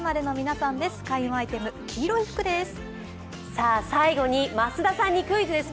さあ、最後に増田さんにクイズです。